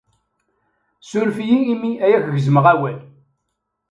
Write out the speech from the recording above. Ssuref-iyi imi ay ak-gezmeɣ awal.